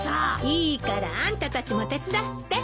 いいからあんたたちも手伝って。